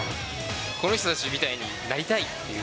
この人たちみたいになりたいっていう。